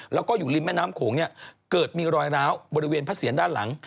แล้วก็อยู่ริมแม่น้ำโขงเนี่ยเกิดมีรอยร้าวบริเวณพระเสียรด้านหลัง